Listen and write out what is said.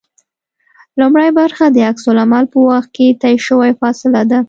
لومړۍ برخه د عکس العمل په وخت کې طی شوې فاصله ده